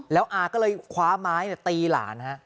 แล้วอาก็เลยคว้าไม้ตีหลานฮะ